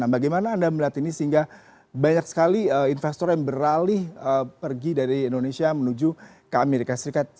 bagaimana anda melihat ini sehingga banyak sekali investor yang beralih pergi dari indonesia menuju ke amerika serikat